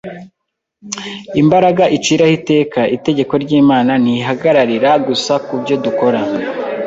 Imbaraga iciraho iteka itegeko ry’Imana ntihagararira gusa ku byo dukora;